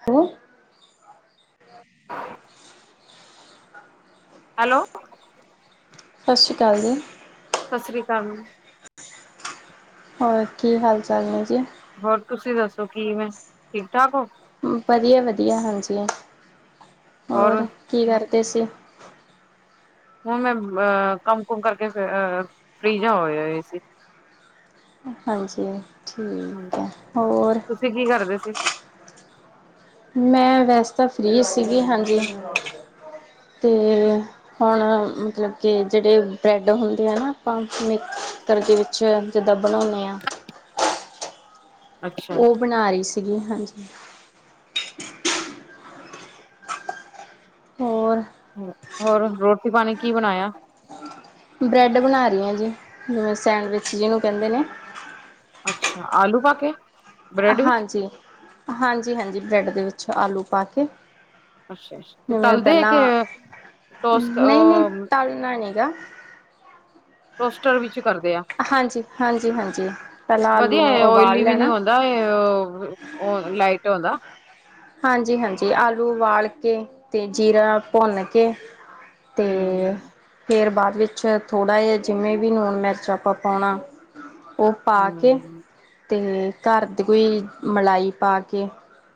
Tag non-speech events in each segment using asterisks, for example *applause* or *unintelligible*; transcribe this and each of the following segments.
ਹੈ । *inaudible* ਹੈਲੋ। ਸਤਿ ਸ਼੍ਰੀ ਅਕਾਲ ਜੀ ਸਤਿ ਸ੍ਰੀ ਅਕਾਲ। ਹੋਰ ਕੀ ਹਾਲ ਚਾਲ ਨੇ ਜੀ। ਹੋਰ ਤੁਸੀਂ ਦੱਸੋ ਕੀ ਮੈਂ ਠੀਕ ਠਾਕ ਹੋ। ਵਧੀਆ ਵਧੀਆ ਹਾਂਜੀ। ਹੋਰ ਕੀ ਕਰਦੇ । ਦਸੋ ਘਰੇ ਕਿਵੇ ਹੈ। ਹੁਣ ਮੈਂ ਅਹ ਕੰਮ ਕੁਮ ਕਰਕੇ ਅ ਫਰੀ ਜਾਂ ਹੋਇਆਏ ਸੀ। ਹਾਂਜੀ ਹਾਂਜੀ ਦਸੋ। ਠੀਕ ਹੈ ਹੋਰ ਤੁਸੀਂ ਕੀ ਕਰਦੇ ਸੀ ਮੈਂ ਵੈਸੇ ਤਾਂ ਫ੍ਰਰੀ ਸੀਗੀ ਹਾਂਜੀ ਅਤੇ ਹੁਣ ਮਤਲਬ ਕਿ ਜਿਹੜੇ ਬਰੈਡ ਹੁੰਦੇ ਆ ਨਾ ਆਪਾਂ ਮਿਕਸਤਰਰ ਦੇ ਤੜਕੇ ਵਿੱਚ ਜਿੱਦਾਂ ਬਣਾਉਂਦੇ ਹਾਂ। ਅੱਛਾ ਉਹ ਬਣਾ ਰਹੀ ਸੀ। ਸੀ ਹਾਂਜੀ। ਹੋਰ ਹੋਰ ਰੋਟੀ ਪਾਣੀ ਕੀ ਬਣਾਇਆ। ਬ੍ਰੈਡ ਬਣਾ ਰਹੀ ਹਾਂ ਜੀ ਜਿਵੇਂ ਸੈਂਡਵਿਚ ਜਿਹਨੂੰ ਕਹਿੰਦੇ ਨੇ। ਅੱਛਾ ਆਲੂ ਪਾ ਕੇ। ਬ੍ਰੈਡ ਵਿੱਚ ਹਾਂਜੀ ਹਾਂਜੀ ਹਾਂਜੀ ਬਰੈਡ ਦੇ ਵਿੱਚ ਅੱਛਾ ਆਲੂ ਪਾ ਕੇ। ਅੱਛਾ ਅੱਛਾ ਤੇ ਜਿਵੇਂ ਤਲਦੇ ਹੈ ਕਿ ਪਹਿਲਾਂ ਟੋਸ ਨਹੀਂ ਨਹੀਂ ਸੀ। ਤਲਣਾ ਨੀ ਗਾ ਟੋਸਟਰ ਵਿੱਚ । ਕਰਦੇ ਆ ਹਾਂਜੀ ਹਾਂਜੀ ਹਾਂਜੀ ਪਹਿਲਾਂ ਆਲੂ ਨੂੰ ਵਧੀਆ ਓਇਲੀ ਉਬਾਲ ਵੀ ਨੀ ਲੈਣਾ ਆਉਂਦਾ ਲਾਈਟ ਇਨਫੈਂਟਰੀ। ੋਦਾ। ਹਾਂਜੀ ਹਾਂਜੀ ਆਲੂ ਬਾਲ ਕੇ ਤੇ ਜੀਰਾ ਭੁੰਨ ਕੇ। ਤੇ ਹਮ ਫਿਰ ਬਾਅਦ। ਵਿੱਚ ਥੋੜਾ ਜਿਹਾ ਜਿਵੇਂ ਵੀ ਲੂਣ ਮਿਰਚ ਆਪਾਂ ਪਾਉਣਾ। ਉਹ ਪਾ ਕੇ ਹਮ ਅਤੇ ਘਰ ਦੀ ਕੋਈ ਮਲਾਈ ਪਾ ਕੇ। ਬ੍ਰਾਂਡ ਬਣਾਇਆ ਜੰਦਾ ਹਨ। ਅਤੇ ਬਹੁਤ ਸੁਆਦ ਆਉਂਦਾ ਹੈ।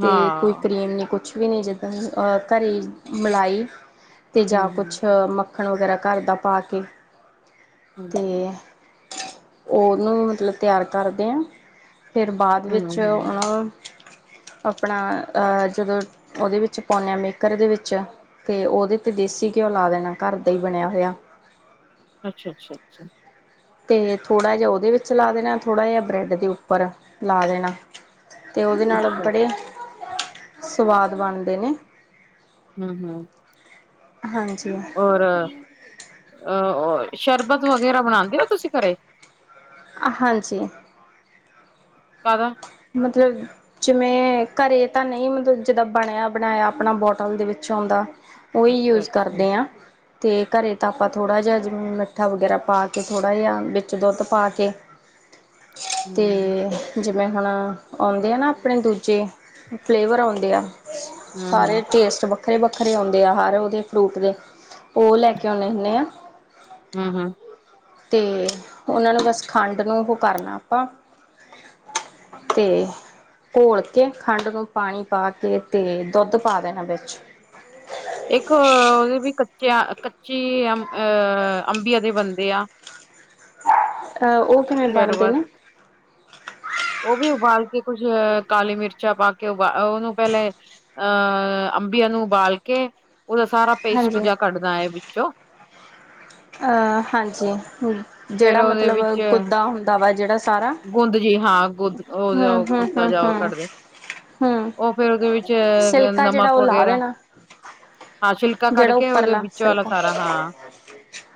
ਤੇ ਕੋਈ ਹਾਂ ਕਰੀਮ ਨੀ ਕੁਛ ਹਾਂਜੀ ਵੀ ਨਹੀਂ ਜਿੱਦਾਂ ਘਰ ਦੀ ਮਲਾਈ ਜਾਂਦੀ ਹੈ । ਤੇ ਹਮ ਜਾਂ ਕੁੱਛ ਮ ਖਣ ਵਗੈਰਾ ਘਰ ਦਾ ਪਾ ਕੇ ਹੂੰ ਓਨੂੰ ਮਤਲਬ ਤਿਆਰ ਕਰਦੇ ਆ ਫਿਰ ਬਾਦ ਹਮ ਵਿੱਚ ਹਮ ਓਨੂੰ ਆਪਣਾ ਅ ਜਦੋਂ ਓਦੇ ਵਿੱਚ ਪੋਨੇ ਆ ਮੇਕਰ ਦੇ ਵਿੱਚ ਤੇ ਓਦੇ ਤੇ ਦੇਸੀ ਘਿਓ ਲਾ ਦੇਣਾ ਘਰ ਦਾ ਈ ਬਣਿਆ ਹੋਇਆ। ਅੱਛਾ-ਅੱਛਾ-ਅੱਛਾ ਤੇ ਥੋੜ੍ਹਾ ਜਾ ਓਦੇ ਵਿੱਚ ਲਾ ਦੇਣਾ ਥੋੜ੍ਹਾ ਜਾ ਬ੍ਰੈਡ ਦੇ ਉੱਪਰ ਲਾ ਦੇਣਾ। ਤੇ ਓਦੇ ਨਾਲ ਅੱਛਾ ਕੱਪੜੇ ਸਵਾਦ ਬਣਦੇ ਨੇ। ਹੂੰ-ਹੂੰ ਹਾਂਜੀ ਓਰ ਅਹ ਓਰ ਸ਼ਰਬਤ ਵਗੈਰਾ ਬਣਾਦੇ ਓ ਤੁਸੀਂ ਘਰੇ ਹਾਂਜੀ। ਕਾਹਦਾ ਮਤਲਬ ਜਿਵੇਂ ਘਰੇ ਤਾਂ ਨਈ ਮਤਲਬ ਜਿੱਦਾਂ ਬਣਿਆ ਬਣਾਇਆ ਆਪਣਾ ਬੋਟਲ ਦੇ ਵਿੱਚ ਓਂਦਾ ਓਈ ਅੱਛਾ ਯੂਜ ਅੱਛਾ ਹੂੰ ਕਰਦੇ ਆ ਤੇ ਘਰੇ ਤਾਂ ਆਪਾਂ ਥੋੜ੍ਹਾ ਜਾ ਮਿੱਠਾ ਵਗੈਰਾ ਪਾ ਕੇ ਥੋੜ੍ਹਾ ਜਾ ਵਿੱਚ ਦੁੱਧ ਪਾ ਕੇ ਤੇ ਜਿਵੇਂ ਹੁਣ ਆਉਂਦੇ ਆ ਨਾ ਆਪਣੇ ਦੂਜੇ ਫਲੇਵਰ ਓਂਦੇ ਆ। ਹੂੰ ਸਾਰੇ ਹੂੰ ਟੇਸਟ ਵ ਵੱਖਰੇ-ਵੱਖਰੇ ਔਂਦੇ ਆ ਹਰ ਓਦੇ ਫਰੂਟ ਦੇ ਓ ਲੈ ਕੇ ਓਨੇ ਹੁੰਨੇ ਆ। ਹੂੰ-ਹੂੰ ਤੇ ਓਨਾਂ ਨੂੰ ਬਸ ਖੰਡ ਨੂੰ ਓਹ ਕਰਨਾ ਆਪਾਂ ਤੇ ਘੋਲ ਕੇ ਖੰਡ ਨੂੰ ਪਾਣੀ ਪਾ ਕੇ ਤੇ ਦੁੱਧ ਪਾ ਦੇਣਾ ਵਿੱਚ ਇੱਕ ਓਦੇ ਵੀ ਕ ਚਿਆਂ ਕੱਚੀ ਅਮ ਅਹ ਅੰਬੀਆਂ ਦੇ ਬਣਦੇ ਆ। ਅ ਓ ਕਿਵੇਂ ਬਣਦੇ ਨੇ ਓ ਵੀ ਉਬਾਲ ਕੇ ਕੁੱਛ ਅ ਕਾਲੀ ਮਿਰਚਾਂ ਪਾ ਕੇ ਉਬਾਲ ਉਹਨੂੰ ਪਹਿਲੇ ਅਹ ਅੰਬੀਆਂ ਨੂੰ ਉਬਾਲ ਕੇ ਉਦਾ ਸਾਰਾ ਪੇਸਟ ਹਾਂਜੀ ਜਾ ਕੱਢਦਾ ਐ ਵਿੱਚੋਂ ਅਹ ਹਾਂਜੀ ਹੂੰ ਫੇਰ ਜੇੜਾ ਉਹਦੇ ਮਤਲਬ ਵਿੱਚ ਗੁੱਦਾ ਹੁੰਦਾ ਵਾ ਜੇੜਾ ਗੁੰਦ ਜੀ ਹਾਂ ਗੁਦ ਓ ਜ ਹਮ ਓ ਹਮ ਕੁੱਤਾ ਹਮ ਜਾ ਹਮ ਕੱਢਦੇ ਹਮ ਓ ਫਿਰ ਓਦੇ ਵਿੱਚ ਸਿਲਕਾ ਜਿਹੜਾ ਨਮਕ ਉਹ ਲਾ ਵਗੈਰਾ ਦੇਣਾ ਹਾਂ ਛਿਲਕਾ ਕੱਢ ਜਿਹੜਾ ਕੇ ਓਦੇ ਉੱਪਰਲਾ ਵਿੱਚ ਵਾਲਾ ਸਿਲਕਾ ਸਾਰਾ ਹਾਂ।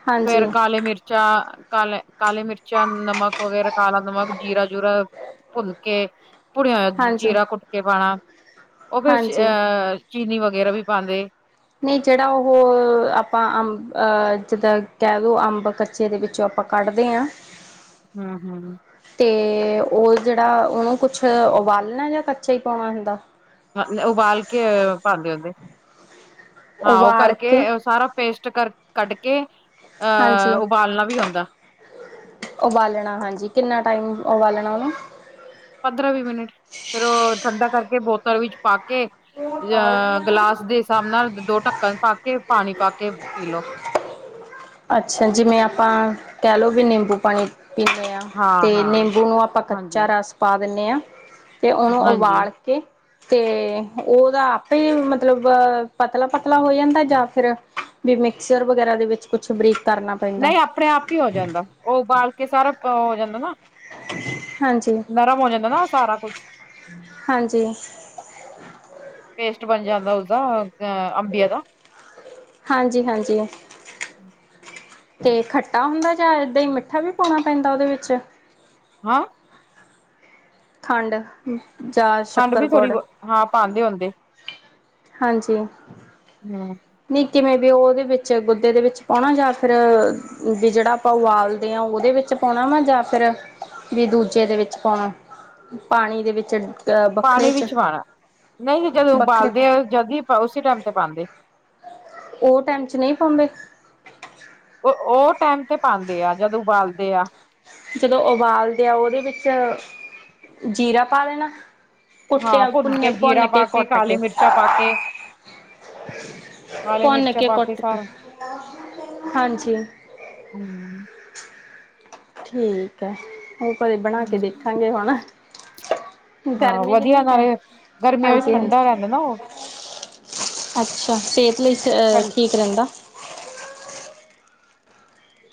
ਹਾਂਜੀ ਫੇਰ ਕਾਲੇ ਮਿਰਚਾਂ ਕਾਲੇ ਕਾਲੇ ਮਿਰਚਾਂ ਨਮਕ ਵਗੈਰਾ। ਕਾਲਾ ਨਮਕ ਜੀਰਾ ਜੂਰਾ ਭੁਨਕੇ ਪੁੜੀਆਂ ਜ ਹਾਂਜੀ ਜੀਰਾ ਕੁੱਟ ਕੇ ਪਾਣਾ ਉਹ ਫੇਰ ਹਾਂਜੀ ਅਅ ਚੀਨੀ ਵਗ ਗੇਰ ਵੀ ਪਾਣਦੇ। ਨਈ ਜੇੜਾ ਉਹਹ ਅ ਆਪਾਂ ਅੰਬਅ ਜਿੱਦਾਂ ਕਹ ਲੋ ਅੰਬ ਕੱਚੇ ਦੇ ਵਿੱਚੋਂ ਆਪਾਂ ਕੱਢਦੇ ਆ। ਹਮ ਹਮ। ਤੇ ਉਹ ਜੇੜਾ ਉਨੂੰ ਕੁਛ ਉਬਾਲਣਾ ਜਾਂ ਕੱਚਾ ਈ ਪਉਣਾ ਹੁੰਦਾ? ਹਲ ਉਬਾਲ ਕੇ ਪਾਦੇ ਉਦੇ। ਹਾਂ ਔ ਉਬਾਲ ਕਰਕੇ ਕੇ ਉਹ ਸਾਰਾ ਪੇਸ਼ ਤੂ ਕਰ ਕੱਢ ਕੇ ਹਾਂਜੀ ਅ ਉਬਾਲਣਾ ਵੀ ਔਂਦਾ। ਉਬਾਲਣਾ ਹਾਂਜੀ ਕਿੰਨਾ ਟਾਈਮ ਉਵਾਲਣਾ ਉਹਨੂੰ? ਪਦਰਾਂ ਵੀ ਮਿੰਟ ਫੇਰ ਉਹ ਠੰਡਾ ਕਰਕੇ ਬੋਤਲ ਵਿੱਚ ਪਾ ਕ ਕੇ ਯਾ ਗਲਾਸ ਦੇ ਸਾਬ ਨਾਲ ਦੋ ਢੱਕਣ ਪਾ ਕੇ ਪਾਣੀ ਪਾ ਕੇ ਪੀ ਲਓ। ਕਹ ਲਓ ਵੀ ਨਿੰਬੂ ਪਾਣੀ ਪੀਣੇ ਆ। ਹਾਂ ਤੇ ਹਾਂ ਨਿੰਬੂ ਨੂੰ ਆਪਾਂ ਹਾਂਜੀ, ਕੱਚਾ ਰਸ ਪਾਕ *unintelligible* ਤੇ ਉਹਨੂੰ ਹਾਂਜੀ ਉਵਾਲ ਕੇ *unintelligible* ਹ ਉਦਾ ਆਪੇਈ ਮਤਲਬ ਬਬ ਪਤਲਾ ਪਤਲਾ ਹੋ ਯੰਦਾ ਜਾਂ ਫਿਰ ਬੀ ਮਿਕਸਰ ਵਗੈਰਾ ਦੇ ਵਿੱਚ ਕੁਛ ਬਰੀਕ ਕਰਨਾ ਪੈਂਦਾ ਨਈ ਆਪਣੇ ਆਪ ਈ ਹੋ ਜਾਂਦਾ ।ਉਹ ਉਬਾਲ ਕੇ ਸਾਰਾ ਅ ਜਾਂਦਾ ਨਾ। ਹਾਂਜੀ ਨਰਮ ਹੋਯਨਦਾਂ ਨਾ ਸਾਰਾ ਕੁਛ। ਹਾਂਜੀ ਫੇਰ? ਬਣ ਜਾਂਦਾ ਉਸਦਾ ਅੰਬੀਆਂ ਦਾ ਹਾਂਜੀ ਹਾਂਜੀ *unintelligible* ਤੇ ਖੱਟਾ ਹੁੰਦਾ ਜਾਂ ਏਦਾਂ ਈ ਮਿੱਠਾ ਵੀ ਪਉਣਾ ਪੈਂਦਾ ਉਹਦੇ ਵਿੱਚ? ਹਾਂ। ਖੰਡ। ਮਸ ਖੰਡ ਵੀ ਥੋੜ੍ਹੀ ਬੋ ਹਾਂ ਪਾਣਦੇ ਹੁੰਦੇ। ਹਾਂਜੀ । ਹਮ ਨੀ ਕਿਵੇਂ? ਵੀ ਉਹਦੇ ਵਿੱਚ ਗੁਦੇ ਦੇ ਵਿੱਚ ਪਾਉਣਾ ਜਾਂ ਫਿਰ ਅ ਅ ਅ ਵੀ ਜੇੜਾ ਆਪਾਂ ਉਵਾਲਦੇ ਆ ।ਉਹਦੇ ਵਿੱਚ ਪਉਣਾ ਵਾ ਜਾਂ ਫੇਰ ਵੀ ਦੂਜੇ ਦੇ ਵਿੱਚ ਪਉਣਾ ।ਪਾਣੀ ਦੇ ਵਿੱਚ ਜ? ਪਾਣੀ ਵੀ ਸ਼ਵਾਨਾ ਨਈ ਤਾ ਜਦੋਂ ਵੱਖਰੇ ਉਬਾਲਦੇ ਅ ਜਦ ਵੀ ਪਾਓ ਉਸੇ ਟਾਈਮ ਤੇ ਪਾਂਦੇ। ਉਹ ਟਾਈਮ ਚ ਨਹੀਂ ਪਾਉਂਦੇ ਉਹ ਉਹ ਟਾਈਮ ਤੇ ਪਾਂਦੇ ਆ ਜਦ ਉਬਾਲਦ ਦੇ ਆ ਜਦੋਂ ਉਬਾਲਦੇ ਆ ਉਹਦੇ ਵਿੱਚ ਜੀਰਾ ਪਾ ਲੈਣਾ। ਹਾਂ ਭੁੰਨ ਕੇ ਜੀਰਾ ਪਾ ਕੇ ਕਾਲੀ ਮਿਰਚਾਂ ਪਾ ਕੇ ਕਾਲੀ ਮਿਰਚਾਂ ਪਾ ਕੇ ਸਾਰਾ ਹਾਂਜੀ ਹੂੰ ਠੀਕ ਐ ਉਹ ਕਦੇ ਬਣਾ ਕੇ ਦੇਖਾਂਗੇ ਹੁਣ ਹਾਂ ਗਰਮੀ ਵਧੀਆ ਕਿੰਨੀ ਕੁ ਐ ਨਾਲੇ ਗਰਮੀਆਂ ਵਿੱਚ ਠੰਡਾ ਹਾਂਜੀ-ਹਾਂਜੀ ਰਹਿੰਦਾ ਨਾ ਉਹ ਅੱਛਾ ਫੇਰ ਲਈ ਸ ਠੰ ਠੀਕ ਰਹਿੰਦਾ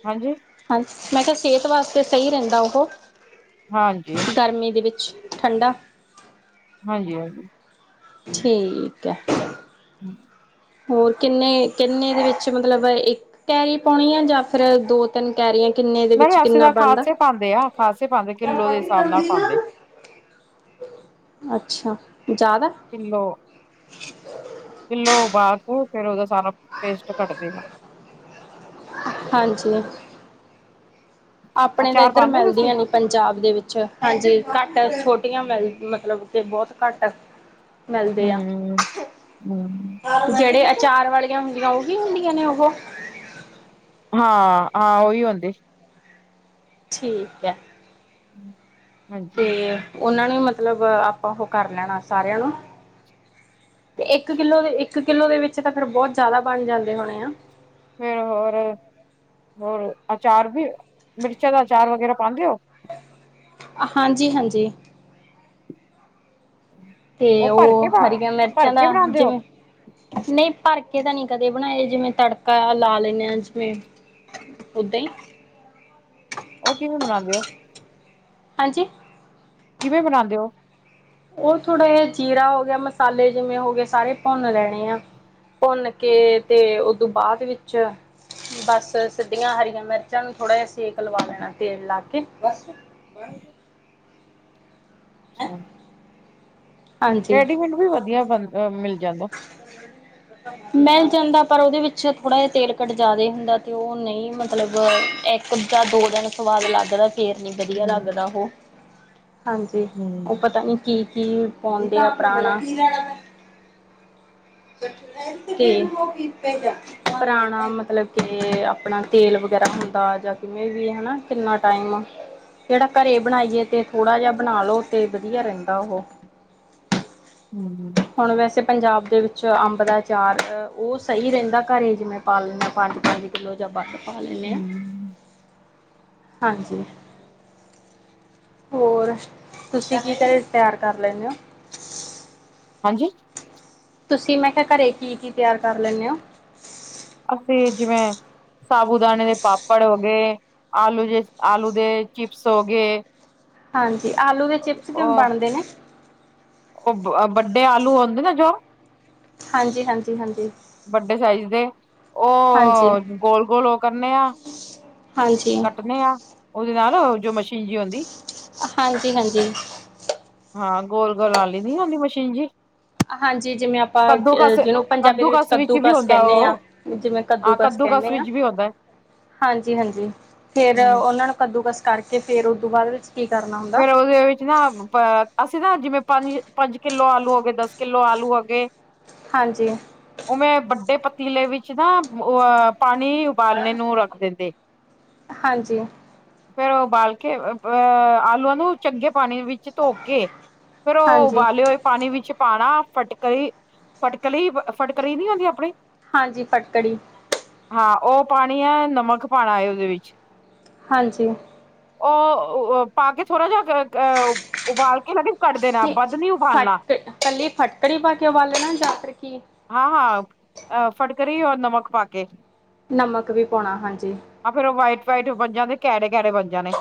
ਹਾਂਜੀ ਹਾਂ ਮੈਂ ਕਿਹਾ ਸਿਹਤ ਵਾਸਤੇ ਸਹੀ ਰਹਿੰਦਾ ਉਹ ਹਾਂਜੀ ਗਰਮੀ ਦੇ ਵਿੱਚ ਠੰਡਾ ਹਾਂਜੀ ਠੀਕ ਐ। *unintelligible* ਹੋਰ ਕਿੰਨੇ -ਕਿੰਨੇ ਦੇ ਵਿੱਚ ਮਤਲਬ ਇੱਕ ਕੈਰੀ ਪਾਉਣੀ ਆ ਜਾਂ ਫਿਰ ਦੋ ਤਿੰਨ ਕੈਰੀਆਂ ਕਿੰਨੇ ਦੇ ਵਿੱਚ ਨਹੀਂ ਅਸੀਂ ਕਿੰਨਾ ਤਾਂ ਬਣਦਾ ਖਾਸੇ ਪਾਂਦੇ ਆ ਖਾਸੇ ਪਾਂਦੇ ਕਿੱਲੋ ਦੇ ਹਿਸਾਬ ਨਾਲ ਪਾਂਦੇ। ਅੱਛਾ ਜ਼ਿਆਦਾ ਕਿਲੋ -ਕਿਲੋ ਬਾਸੂ ਫਿਰ ਉਹਦਾ ਸਾਰਾ ਪੇਸਟ ਕੱਟਦੇ ਹਾਂ। ਹਾਂਜੀ ਆਪਣੇ ਤਾਂ ਅਚਾਰ ਇੱਧਰ ਪਾਉਂਦੇ ਹੋ ਤੁਸੀਂ ਮਿਲਦੀਆਂ ਨੀ ਪੰਜਾਬ ਦੇ ਵਿੱਚ ਹਾਂਜੀ ਘੱਟ ਛੋਟੀਆਂ ਮਿਲ ਹਮ ਮਤਲਬ ਤੇ ਬਹੁਤ ਘੱਟ ਮਿਲਦੇ ਆ ਹਮ ਜਿਹੜੇ ਅੱ ਚਾਰ ਵਾਲੀਆਂ ਹੁੰਦੀਆਂ ਉਹ ਵੀ ਹੁੰਦੀਆਂ ਨੇ ਉਹੋ ਹਾਂ-ਹਾਂ ਉਹੀ ਹੁੰਦੇ। ਠੀਕ ਹੈ। *unintelligible* ਤੇ ਹਾਂਜੀ ਉਹਨਾਂ ਨੂੰ ਮਤਲਬ ਆਪਾਂ ਉਹ ਕਰ ਲੈਣਾ ਸਾਰਿਆਂ ਨੂੰ ਤੇ ਇੱਕ ਕਿੱਲੋ ਦੇ ਇੱਕ ਇੱਕ ਕਿੱਲੋ ਦੇ ਵਿੱਚ ਤਾਂ ਫਿਰ ਬਹੁਤ ਜ਼ਿਆਦਾ ਬਣ ਜਾਂਦੇ ਹੋਣੇ ਆ। ਫੇਰ ਹੋਰ -ਹੋਰ ਅਚਾਰ ਵੀ ਮਿਰਚਾਂ ਦਾ ਅਚਾਰ ਵਗੈਰਾ ਪਾਂਦੇ ਹੋ। ਹਾਂਜੀ ਹਾਂਜੀ ਤੇ ਭਰ ਕੇ ਉਹ ਪਾ ਹਰੀਆਂ ਭਰ ਮਿਰਚਾਂ ਦਾ ਕੇ ਬਣਾਉਂਦੇ ਹੋ ਜਿਵੇਂ ਨਹੀਂ ਭਰਕੇ ਤਾਂ ਨੀ ਕਦੇ ਬਣਾਏ ਜਿਵੇਂ ਤੜਕਾ ਲਾ ਲੈਂਨ ਆ ਜਿਵੇਂ ਓਦਾਂ ਹੀ ਉਹ ਕਿਵੇਂ ਬਨਾਉਂਦੇ ਹੋ ਹਾਂਜੀ ਕਿਵੇਂ ਬਨਾਉਂਦੇ ਹੋ ਉਹ ਥੋੜ੍ਹਾ ਜਿ ਜੀਰਾ ਹੋ ਗਿਆ ਮਸਾਲੇ ਜਿਵੇਂ ਹੋ ਗਏ ਸਾਰੇ ਭੁੰਨ ਲੈਣੇ ਆ ਭੁੰਨ ਕੇ ਤੇ ਦੋਂ ਬਾਅਦ ਵਿੱਚ ਬਸ ਸਿੱਧੀਆਂ ਹਰੀਆਂ ਮਿਰਚਾਂ ਨੂੰ ਥੋੜ੍ਹਾ ਜਿਹਾ ਸੇਕ ਲਵਾ ਲੈਣਾ ਤੇਲ ਲਾ ਕੇ ਅੱਛ ਹਾਂਜੀ ਰੈਡੀਮੇਡ ਵੀ ਵਧੀਆ ਬਣਦੇ ਨੇ ਮਿਲਦੇ ਨੇ *unintelligible* ਮਿਲ ਜਾਂਦਾ ਪਰ ਉਹਦੇ ਵਿੱਚ ਥੋੜਾ ਜਿਹਾ ਤੇਲ ਕੱਟ ਜਿਆਦਾ ਹੁੰਦਾ ਤੇ ਉਹ ਨਹੀਂ ਮਤਲਬ ਇੱਕ ਜਾਂ ਦੋ ਦਿਨ ਸਵਾਦ ਲੱਗਦਾ ਫੇਰ ਨੀ ਵਧੀਆ ਹਮ ਲੱਗਦਾ ਉਹ ਹਾਂਜੀ ਉਹ ਹਮ ਪਤਾ ਨੀ ਕੀ ਕੀ ਪਾਉਂਦੇ ਆ ਪੁਰਾਣਾ ਤੇ ਪੁਰਾਣਾ ਮ ਮਤਲਬ ਕਿ ਆਪਣਾ ਤੇਲ ਵਗੈਰਾ ਹੁੰਦਾ ਜਾਂ ਕਿਵੇਂ ਵੀ ਹੇਨਾ ਕਿੰਨਾ ਟਾਈਮ ਜਿਹੜਾ ਘਰੇ ਬਣਾਈਏ ਤੇ ਥੋੜ੍ਹਾ ਜਿਹਾ ਬਣਾ ਲਓ ਤੇ ਵਧੀਆ ਰਹਿੰਦਾ ਉਹ ਹੰਮ ਹੁਣ ਵੈਸੇ ਪੰਜਾਬ ਦੇ ਵਿੱਚ ਅੰਬ ਦਾ ਅਚਾਰ ਉਹ ਸਹੀ ਰਹਿੰਦਾ ਘਰ ਜਿਵੇਂ ਪਾ ਲੈਂਦੇ ਪੰਜ ਪੰਜ ਕਿੱਲੋ ਜਾਂ ਬਾਸ ਪਾ ਲੈਨੇ ਆ ਹੂੰ, ਹਾਂਜੀ ਹੋਰ ਤੁਸੀਂ ਕੀ ਤੇਰੇ ਤਿਆਰ ਕਰ ਲੈਂਦੇ ਹੋ? ਹਾਂਜੀ? ਤੁਸੀਂ ਮੈਂ ਕਿਹਾ ਘਰੇ ਕੀ ਕੀ ਤਿਆਰ ਕਰ ਲੈਂਦੇ ਹੋ? ਅਸੀਂ ਜਿਵੇਂ ਸਾਾਬੂ ਦਾਣੇੇ ਦੇ ਪਾਪੜ ਹੋ ਗਏ ਆਲੂ ਜ ਆਲੂ ਦੇ ਚਿਪਸ ਹੋ ਗਏ ਹਾਂਜੀ ਆਲੂ ਦੇ ਚਿਪਸ ਕਿਵੇਂ ਉਹ ਬਣਦੇ ਨੇ? ਉਹ ਵੱਡੇ ਆਲੂ ਆਉਂਦੇ ਨਾ ਜੋ ਹਾਂਜੀ ਹਾਂਜੀ ਹਾਂਜੀ ਵੱਡੇ ਸਾਈਜ਼ ਦੇ ਹਾਂਜੀ ਉਹ ਗੋਲ ਗੋਲ ਉਹ ਕਰਨੇ ਆ ਹਾਂਜੀ ਕੱਟਣੇ ਆ ਉਹਦੇ ਨਾਲ ਜੋ ਮਸ਼ੀਨ ਜੀ ਹੁੰਂਦੀ ਹਾਂਜੀ ਹਾਂਜੀ ਹਾਂ ਗੋਲ ਗੋਲ ਵਾਲ਼ੀ ਹੋਂਦੀ ਮਸ਼ੀਨ ਜਿ ਹਾਂਜੀ ਜਿਵੇਂ ਆਪਾਂ ਜਿਹਨੂੰ ਪੰਜਾਬੀ ਦੇ ਵਿੱਚ ਕੱਦੂਕਸ ਕੱਦੂ ਵੀ ਕਸ ਹੁੰਦਾ ਕਹਿੰਦੇ ਹਾਂ ਉਹ ਜਿਵੇਂ ਕੱਦੂ ਹਾਂ ਕਸ ਕੱਦੂਕਸ ਕਹਿੰਦੇ ਹਾਂ ਵਿੱਚ ਵੀ ਹੁੰਦਾ ਹਾਂਜੀ ਹਾਂਜੀ ਫੇਰ ਹੂੰ। ਉਹਨਾ ਨੂੰ ਕੱਦੂ ਕਸ ਕਰਕੇ ਫੇਰ ਉਹਦੋਂ ਬਾਅਦ ਵਿੱਚ ਕੀ ਕਰਨਾ ਹੁੰਦਾ ਫੇਰ ਉਹਦੇ ਵਿੱਚ ਨਾ, ਅ ਅਸੀਂ ਨਾ ਜਿਵੇਂ, ਪੰਜ-ਪੰਜ ਕਿੱਲੋ ਆਲੂ ਹੋ ਗਏ, ਦਸ ਕਿੱਲੋ ਆਲੂ ਹੋ ਗਏ। ਹਾਂਜੀ ਉਹ, ਮੈਂ ਵੱਡੇ ਪ ਤਿੱਲੇ ਵਿੱਚ ਨਾ ਅ ਪਾਣੀ ਉਬਾਲਨੇ ਨੂੰ ਰੱਖ ਦਿੰਦੇ ਹਾਂਜੀ ਫੇਰ ਉਹ ੳਬਾਲ ਕੇ ਅ ਨੂੰ, ਚੰਗੇ ਪਾਣੀ ਵਿੱਚ ਧੋਕੇ, ਫੇਰ ਉਹ ਹਾਂਜੀ ਉਬਾਲੇ ਹੋਏ ਪਾਣੀ ਵਿੱਚ ਪਾਣਾ ਫਟਕਲੀ, ਫਟਕਲੀ, ਫਟਕਰੀ ਨਹੀਂ ਹੂੰਦੀ ਆਪਣੀ ਹਾਂਜੀ, ਫਟਕੜੀ। ਹਾਂ, ਉਹ ਪਾਣੀ ਹੈ ਨਮਕ ਪਾਣਾ ਹੈ, ਉਹਦੇ ਵਿੱਚ। ਹਾਂਜੀ। ਉਹ ਪਾਕੇ ਥੋਰਾ ਜਿਹਾ ਅਹ ਉਬਾਲ ਇਹਨਾਂ ਕਿ, ਪਹਿਲੇ ਫਟਕੜੀ ਪਾਕੇ ਉਬਾਲਨਾ ਜਾਂ ਫੇਰ, ਕੀ ਕਰਰੀ ਔਰ ਨਮਕ ਪਾਕੇ ਨਮਕ ਵੀ ਪਾਉਣਾ ਹਾਂਜੀ ਆਹ ਫੇਰ ਉਹ ਵਾਈਟਰ- ਵਾਈਟ ਬੰਜਾਦੇ ਕੈੜੇ-ਕੈੜੇ ਬੰਨ ਜਾਣੇ।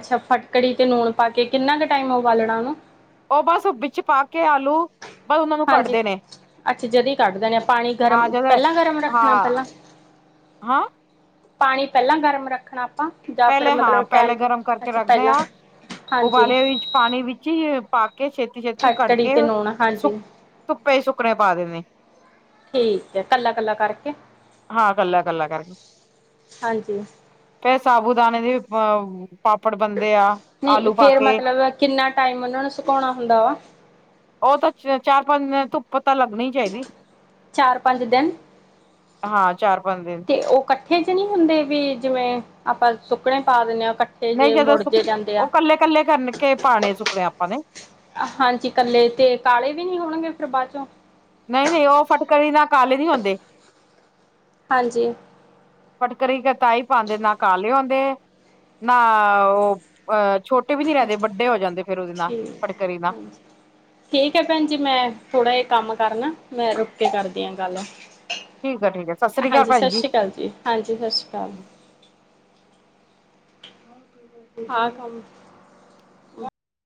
ਅੱਛਾ ਫਟਕੜੀ ਤੇ, ਲੂਣ ਪਾਕੇ ਕਿੰਨਾ ਕੁ ਟਾਈਮ ਉਬਾਲਣਾ ਉਹਨੂੰ ਉਹ, ਬਸ ਵਿੱਚ ਪਾਕੇ ਆਲੂ ਬਸ ਉਹਨਾਂ ਨੂੰ ਹਾਂਜੀ। ਕੱਢਦੇ ਨੇ ਅੱਛਾ ਜਦੀ ਕੱਢ ਦੇਣੇ ਆ, ਪਾਣੀ ਹਾਂ ਗਰਮ ਜਦੋਂ ਪਹਿਲਾਂ ਗਰਮ ਰੱਖਣਾ ਹਾਂ ਪਹਿਲਾਂ ਹਾਂ। ਪਾਣੀ ਪਹਿਲਾਂ, ਗਰਮ ਰੱਖਣਾ ਆਪਾਂ ਜਾਂ ਫਿਰ ਪਹਿਲੇ ਹਾਂ, ਮਤਲਬ ਪਹਿਲੇ ਟਾਈਮ ਗਰਮ ਕਰਕੇ ਅੱਛਾ ਰੱਖਦੇ ਪਹਿਲਾਂ ਹਾਂ, ਹਾਂਜੀ ਉਬਾਲੇ ਪਾਣੀ ਵਿੱਚ ਹੀ ਪਾ ਕੇ ਛੇਤੀ- ਛੇਤੀ ਕੱਢ ਖਟਕੜੀ ਕੇ, ਤੇ ਨੂਣ ਸੁਕ ਹਾਂਜੀ ਧੁੱਪੇ ਸੁੱਕਣੇ ਪਾ ਦੇਣੇ, ਠੀਕ ਹੈ ਕੱਲਾ ਕੱਲਾ ਕਰਕੇ ਹਾਂ। ਇਕੱਲਾ- ਇਕੱਲਾ ਕਰਕੇ ਹਾਂਜੀ ਉਦਾਨ ਪਾਪੜ ਬਣਦੇ ਆ, ਨਹੀਂ ਆਲੂ ਫੇਰ ਪਾਕੇ, ਮਤਲਬ ਕਿੰਨਾ ਟਾਈਮ ਉਹਨਾਂ ਨੂੰ ਸੁਕਾਉਣਾ ਹੁੰਦਾ ਵਾ ਉਹ ਤਾਂ ਚਾਰ-ਪੰਜ ਧੁ ਚਾਰ -ਪੰਜ ਦਿਨ ਹਾਂ ਚਾਰ ਪੰਜ ਦਿਨ ਤੇ, ਉਹ ਕੱਠੇ'ਚ ਨਹੀਂ ਹੁੰਦੇ ਵੀ, ਜਿਵੇਂ ਆਪਾਂ ਸੁੱਕਣੇੇ ਪਾ ਦਿੰਨੇ, ਹਾਂ ਇਕੱਠੇ ਨਹੀਂ ਜੇ ਜਦੋਂ, ਮੁੜ ਸੁ ਜੇ ਜਾਂਦੇ ਆ ਉਹ ਕੱਲੇ- ਕੱਲੇ ਕਰਨਕੇ ਪਾਣੇ ਸੁੱਕੜੇ ਮ ਹਾਂਜੀ। ਕੱਲੇ ਤੇ, ਕਾਲੇ ਵੀ ਨੀ ਹੋਣਗੇ ਫਿਰ ਬਾਅਦ'ਚੋਂ ਨਹੀਂ- ਨਹੀਂ ਉਹ ਫਟਕੜੀ ਨਾਲ, ਕਾਲੇ ਨੀ ਹੋਂਦੇ। ਹਾਂਜੀ ਫਟਕਰੀ ਕ ਤਾਈ ਪਾਉਂਦੇ ਨਾ ਕਾਲੇ ਆਉਂਦੇ ਨਾ। ਉਹ, ਅਹ ਠੀਕ ਫਟਕਰੀ ਨਾਲ ਹਾਂਜੀ ਠੀਕ ਹੈ ਪੈਣ ਜੀ ਮੈਂ ਥੋੜ੍ਹਾ ਜਿਹਾ ਕੰਮ ਕਰਨਾ ਮੈਂ ਰੁਕ ਕੇ ਕਰਦੀ ਆ ਗੱਲ ਠੀਕ ਆ ਠੀਕ ਆ ਸਤਿ ਸ੍ਰੀ ਅਕਾਲ ਹਾਂਜੀ ਭੈਣ ਸਤਿ ਸ੍ਰੀ ਅਕਾਲ ਜੀ ਹਾਂਜੀ ਸਤਿ ਸ੍ਰੀ ਅਕਾਲ। ਹਾਂ ਕੰਮ।